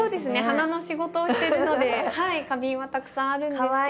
花の仕事をしてるので花瓶はたくさんあるんですけど。